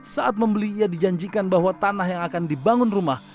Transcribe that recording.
saat membelinya dijanjikan bahwa tanah yang akan dibangun rumah